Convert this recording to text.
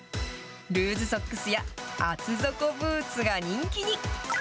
ルーズソックスや厚底ブーツが人気に。